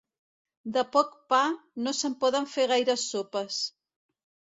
De poc pa, no se'n poden fer gaires sopes.